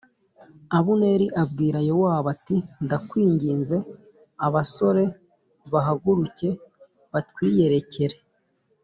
Abuneri abwira Yowabu ati “Ndakwinginze, abasore bahaguruke batwiyerekere”